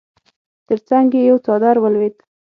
تر څنګ يې يو څادر ولوېد.